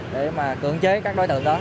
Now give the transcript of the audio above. để mà cưỡng chế các đối tượng đó